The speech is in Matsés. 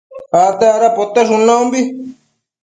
acte dada poteshun naumbi